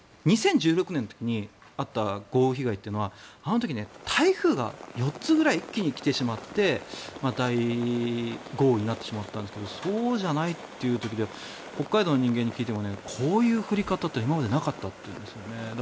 ２０１６年の時にあった豪雨被害というのはあの時、台風が４つくらい一気に来てしまって豪雨になってしまったんですがそうじゃないっていう時は北海道の人間に聞いてもこういう降り方って今までなかったっていうんですね。